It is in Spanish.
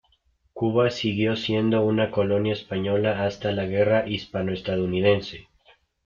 Cuba siguió siendo una colonia española hasta la Guerra hispano-estadounidense.